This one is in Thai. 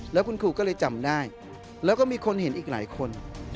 แล้วคุณครูก็เลยจำได้แล้วก็มีคนเห็นอีกหลายคน